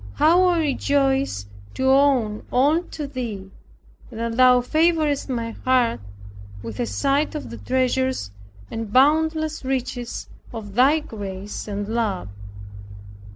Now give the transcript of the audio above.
How I rejoice to owe all to Thee, and that Thou favorest my heart with a sight of the treasures and boundless riches of Thy grace and love!